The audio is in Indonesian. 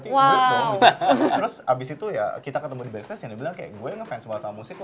terus abis itu ya kita ketemu di backstage jadi dia bilang kayak gue ngefans banget sama musiko